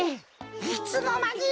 いつのまに！？